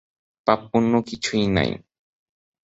পাপপুণ্য কিছুই নাই।